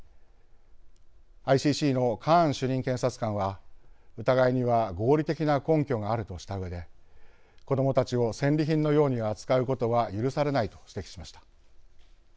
ＩＣＣのカーン主任検察官は疑いには合理的な根拠があるとしたうえで子どもたちを戦利品のように扱うことは許されないと指摘しました。